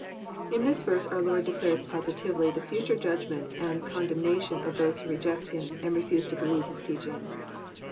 ] In this verse our Lord declares positively the fhture judgment and condemnation of those who reject Him, and refUse to believe His teaching.